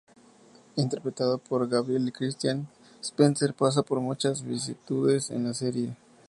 Interpretado por Gabrielle Christian, Spencer pasa por muchas vicisitudes en la serie.